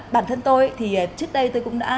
bản thân tôi trước đây tôi cũng đã